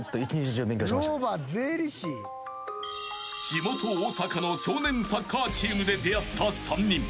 ［地元大阪の少年サッカーチームで出会った３人］